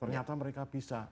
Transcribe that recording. ternyata mereka bisa